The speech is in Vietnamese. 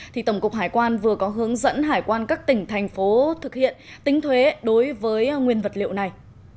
thì tổng cục hải quan vừa có hướng dẫn hải quan các tỉnh thành phố thực hiện tính thuế đối với nguyên vật liệu này